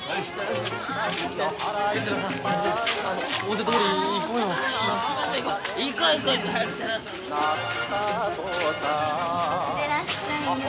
寄ってらっしゃいよ。